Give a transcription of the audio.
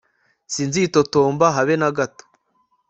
sinzitotomba habe na gato